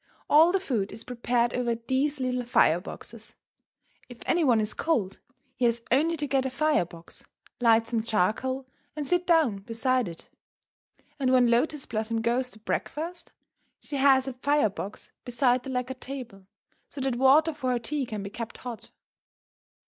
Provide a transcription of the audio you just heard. All the food is prepared over these little fire boxes. If any one is cold, he has only to get a fire box, light some charcoal, and sit down beside it. And when Lotus Blossom goes to breakfast, she has a fire box beside the lacquered table, so that water for her tea can be kept hot.